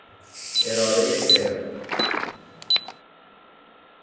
ارادهی صرف